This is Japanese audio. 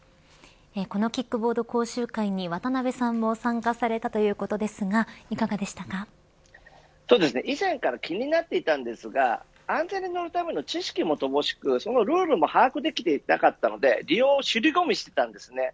このキックボード講習会に渡辺さんも参加されたということですがいかがでした以前から気になっていたんですが安全に乗るための知識も乏しくそのルールも把握できていなかったので利用にしり込みしていたんですね。